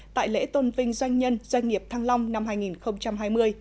tại lễ tôn vinh doanh nhân doanh nghiệp thăng long năm hai nghìn hai mươi